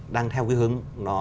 đang theo cái hướng